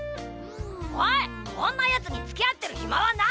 おいこんなヤツにつきあってるヒマはない！